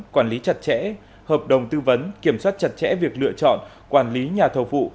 quản lý chặt chẽ hợp đồng tư vấn kiểm soát chặt chẽ việc lựa chọn quản lý nhà thầu vụ